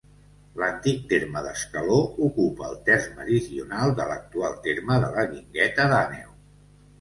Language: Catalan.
L'antic terme d'Escaló ocupa el terç meridional de l'actual terme de la Guingueta d'Àneu.